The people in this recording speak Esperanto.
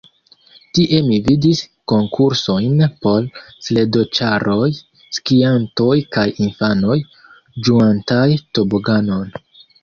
Tie mi vidis konkursojn por sledoĉaroj, skiantoj kaj infanoj, ĝuantaj toboganon.